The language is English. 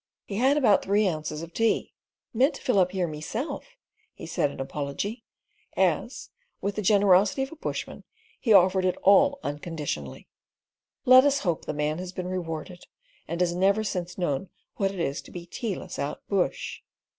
He had about three ounces of tea. "Meant to fill up here meself," he said in apology, as, with the generosity of a bushman, he offered it all unconditionally. Let us hope the man has been rewarded, and has never since known what it is to be tealess out bush!